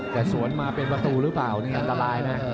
แต่สวนมาเป็นประตูหรือเปล่านี่อันตรายนะ